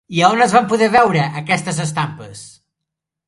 I a on es van poder veure aquestes estampes?